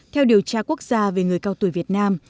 theo điều tra quốc gia về người cao tuổi việt nam